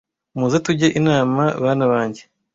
muze tujye inama ban banjye